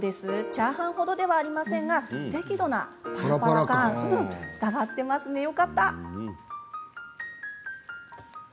チャーハンほどではありませんが適度なパラパラ感伝わっていますでしょうか。